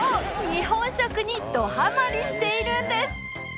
日本食にどハマりしているんです！